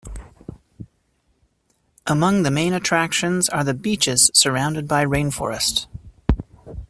Among the main attractions are the beaches surrounded by rainforest.